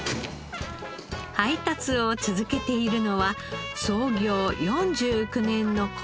配達を続けているのは創業４９年のこちらの店。